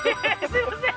すいません